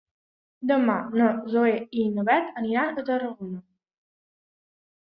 Demà na Zoè i na Bet aniran a Tarragona.